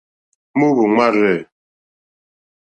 Móǃóhwò máárzɛ̂.